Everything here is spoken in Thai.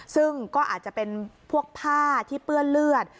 ซึ่งก็อาจจะเป็นพวกผ้าที่เปื้อนเลือด